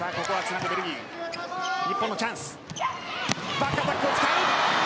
バックアタックを使う！